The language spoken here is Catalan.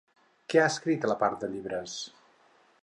Què ha escrit, a part de llibres?